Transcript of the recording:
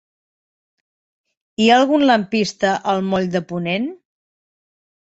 Hi ha algun lampista al moll de Ponent?